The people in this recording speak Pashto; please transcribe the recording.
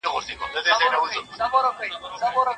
ځان د بل لپاره سوځول زده کړو